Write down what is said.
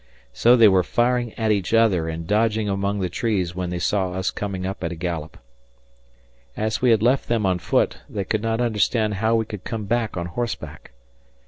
So they were firing at each other and dodging among the trees when they saw us coming up at a gallop. As we had left them on foot, they could not understand how we could come back on horseback.